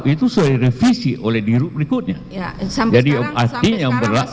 itu sudah direvisi oleh dirut berikutnya